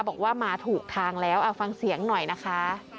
บอกว่ามาถูกทางแล้วฟังเสียงหน่อยนะคะ